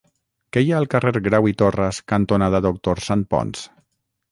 Què hi ha al carrer Grau i Torras cantonada Doctor Santponç?